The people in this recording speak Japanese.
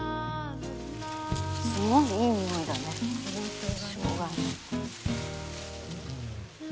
すごいいいにおいだねしょうがの。